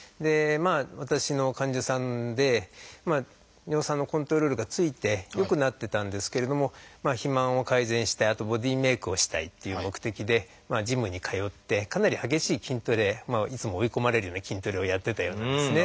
私の患者さんで尿酸のコントロールがついて良くなってたんですけれども肥満を改善してあとボディーメイクをしたいっていう目的でジムに通ってかなり激しい筋トレいつも追い込まれるような筋トレをやってたようなんですね。